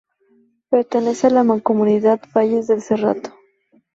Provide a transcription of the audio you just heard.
Pertenece a la Mancomunidad Valles del Cerrato.